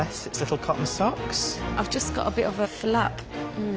うん。